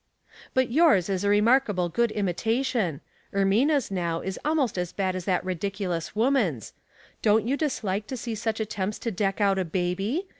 " But yours is a remarkable good imitation. Ermina's, now, is almost as bad as that ridiculous woman's. Don't you dislike to see such attempts to deck out a baby?